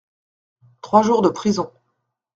Trois jours de prison.